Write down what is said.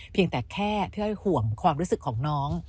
เพียงแต่แค่พี่อ้อยห่วงความรู้สึกของน้อง